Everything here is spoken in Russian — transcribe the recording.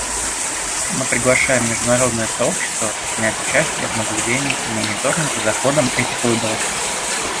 Мы приглашаем международное сообщество принять участие в наблюдении и мониторинге за ходом этих выборов.